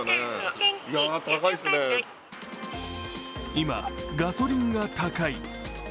今、ガソリンが高い。